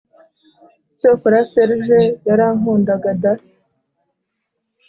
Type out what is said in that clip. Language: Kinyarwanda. cyokora serge yarankundaga da!